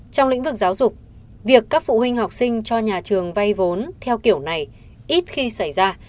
trong lĩnh vực giáo dục việc các phụ huynh học sinh cho nhà trường vay vốn theo kiểu này ít khi xảy ra